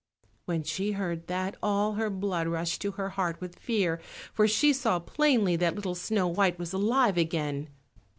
When she heard that, all her blood rushed to her heart with fear, for she saw plainly that little Snow white was again alive.